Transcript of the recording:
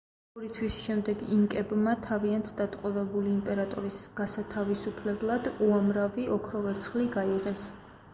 ორი თვის შემდეგ, ინკებმა თავიანთ დატყვევებული იმპერატორის გასათავისუფლებლად უამრავი ოქრო-ვერცხლი გაიღეს.